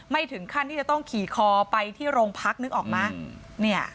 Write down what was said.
ไม่ถึงขั้นที่จะต้องขี่คอไปที่โรงพักษณ์นึกออกมั้ย